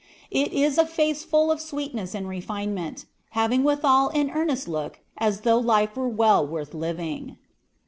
It is a face full of sweetness and refinement, having withal an earnest look, as though life were well worth living.